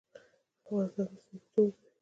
افغانستان د سترګو تور دی؟